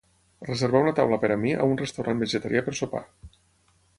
Reservar una taula per a mi a un restaurant vegetarià per sopar.